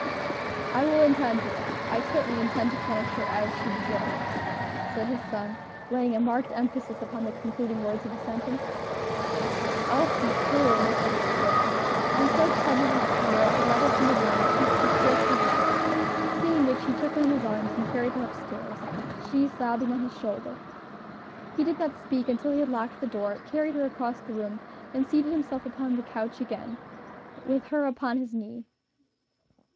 "I will attend to that; I certainly intend to punish her as she deserves" said his son, laying a marked emphasis upon the concluding words of his sentence. Elsie wholly misunderstood him, and so trembled with fear as he led her from the room, that she could scarcely walk; seeing which, he took her in his arms and carried her up stairs, she sobbing on his shoulder. He did not speak until he had locked the door, carried her across the room, and seated himself upon the couch again, with her upon his knee.